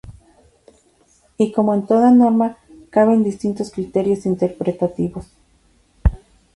Y, como en toda norma, caben distintos criterios interpretativos.